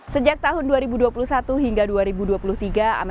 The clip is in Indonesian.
sejak tahun dua ribu dua puluh satu hingga dua ribu dua puluh tiga